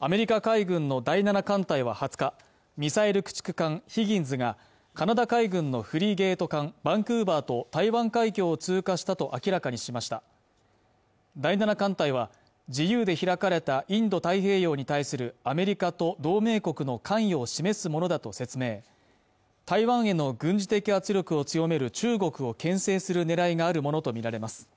アメリカ海軍の第７艦隊は２０日ミサイル駆逐艦ヒギンズがカナダ海軍のフリゲート艦「バンクーバー」と台湾海峡を通過したと明らかにしました第７艦隊は自由で開かれたインド太平洋に対するアメリカと同盟国の関与を示すものだと説明台湾への軍事的圧力を強める中国をけん制するねらいがあるものと見られます